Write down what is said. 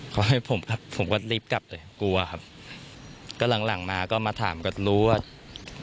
เขาให้ผมครับผมก็รีบกลับเลยกลัวครับก็หลังหลังมาก็มาถามก็รู้ว่า